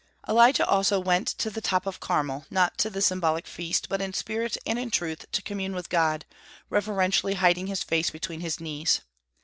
Elijah also went to the top of Carmel, not to the symbolic feast, but in spirit and in truth to commune with God, reverentially hiding his face between his knees.